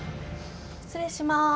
失礼します。